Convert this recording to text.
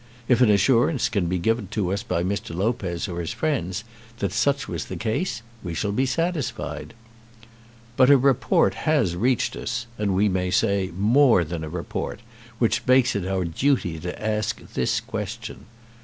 If an assurance can be given to us by Mr. Lopez or his friends that such was the case we shall be satisfied. "But a report has reached us, and we may say more than a report, which makes it our duty to ask this question.